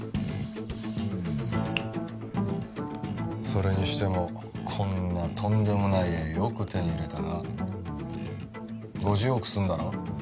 それにしてもこんなとんでもない絵よく手に入れたな５０億するんだろ？